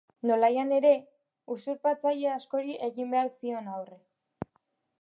Nolanahi ere, usurpatzaile askori egin behar zion aurre.